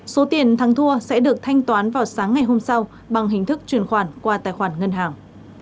số tiền thắng thua sẽ được thanh toán vào sáng ngày hôm sau bằng hình thức chuyển khoản qua tài khoản ngân hàng